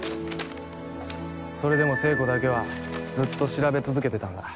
それでも聖子だけはずっと調べ続けてたんだ。